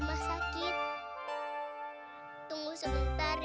jangan tinggalin putri